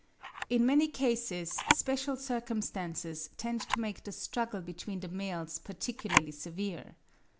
In many cases special circumstances tend to make the struggle between the males particularly severe.